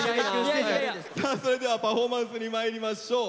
さあそれではパフォーマンスにまいりましょう。